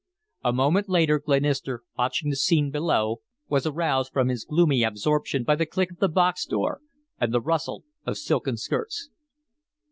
A moment later Glenister, watching the scene below, was aroused from his gloomy absorption by the click of the box door and the rustle of silken skirts.